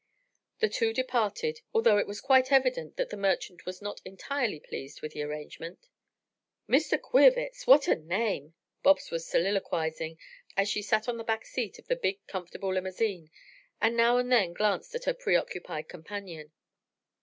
The two departed, although it was quite evident that the merchant was not entirely pleased with the arrangement. "Mr. Queerwitz! What a name!" Bobs was soliloquizing as she sat on the back seat of the big, comfortable limousine, and now and then glanced at her preoccupied companion.